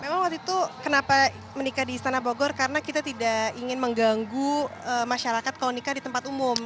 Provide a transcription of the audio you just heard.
memang waktu itu kenapa menikah di istana bogor karena kita tidak ingin mengganggu masyarakat kalau nikah di tempat umum